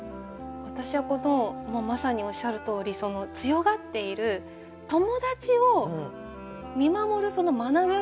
私はこのまさにおっしゃるとおり強がっている友達を見守るそのまなざしがすっごい好きです。